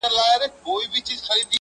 را ته ووایه عرضونه وکړم چا ته!!